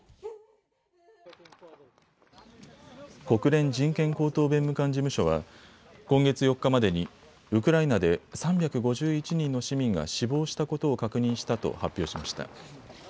国連人権高等弁務官事務所は今月４日までにウクライナで３５１人の市民が死亡したことを確認したと発表しました。